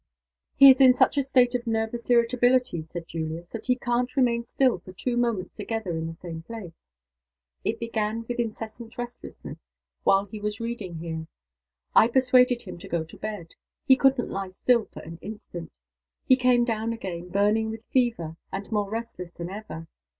"He is in such a state of nervous irritability," said Julius, "that he can't remain still for two moments together in the same place. It began with incessant restlessness while he was reading here. I persuaded him to go to bed. He couldn't lie still for an instant he came down again, burning with fever, and more restless than ever.